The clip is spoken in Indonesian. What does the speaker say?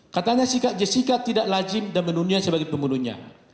katanya sikap jessica tidak lajim dan menunia sebagai pembunuhnya